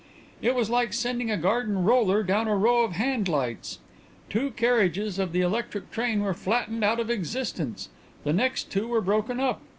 It was like sending a garden roller down a row of handlights. Two carriages of the electric train were flattened out of existence; the next two were broken up.